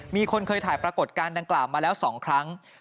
มีคนเคยถ่ายปรากฏการณ์ดังกล่าวมาแล้ว๒ครั้ง